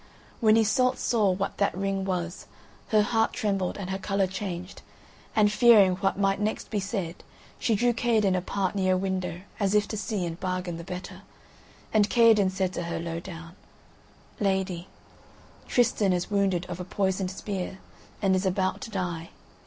When Iseult saw what ring that was, her heart trembled and her colour changed, and fearing what might next be said she drew Kaherdin apart near a window, as if to see and bargain the better; and Kaherdin said to her, low down: "Lady, Tristan is wounded of a poisoned spear and is about to die.